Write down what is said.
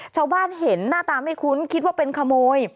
ชาวบ้านเห็นหน้าตาไม่คุ้นคิดว่าเป็นขโมย